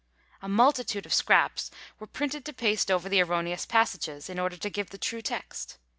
A multitude of scraps were printed to paste over the erroneous passages, in order to give the true text.